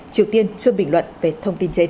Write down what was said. triều tiên chưa bình luận về thông tin trên